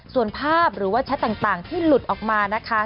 ส่วนภาพหรือว่าแชทต่างที่หลุดออกมานะคะ